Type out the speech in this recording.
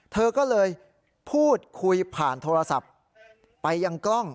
เธอก็เลยพูดคุยผ่านโทรศัพท์ไปยังกล้อง